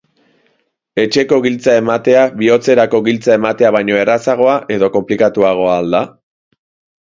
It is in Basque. Etxeko giltza ematea bihotzerako giltza ematea baino errazagoa edo konplikatuagoa al da?